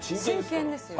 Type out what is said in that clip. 真剣ですよ。